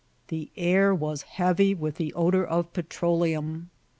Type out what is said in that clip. The air was heavy with the odor of petroleum.